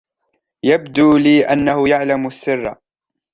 يبدوا لي أنه يعلم السر